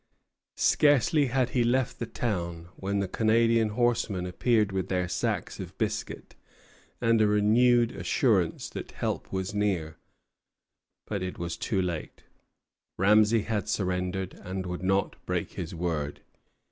Scarcely had he left the town, when the Canadian horsemen appeared with their sacks of biscuit and a renewed assurance that help was near; but it was too late. Ramesay had surrendered, and would not break his word.